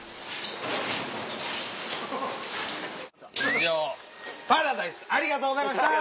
以上パラダイスありがとうございました。